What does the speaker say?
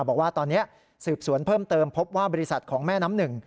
บอกว่าตอนนี้สืบสวนเพิ่มเติมพบว่าบริษัทของแม่น้ำหนึ่ง